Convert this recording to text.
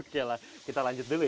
oke lah kita lanjut dulu ya